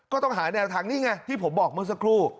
ก็ต้องหาแนวทางนี่ไงที่ผมบอกเมื่อสักครู่